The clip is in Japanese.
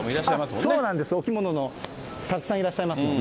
そうなんです、お着物の、たくさんいらっしゃいますもんね。